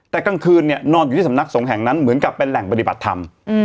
แต่กลางคืนเนี่ยนอนอยู่ที่สำนักสงฆ์แห่งนั้นเหมือนกับเป็นแหล่งปฏิบัติธรรม